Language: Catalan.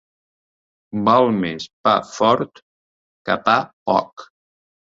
Val més pa fort que pa poc.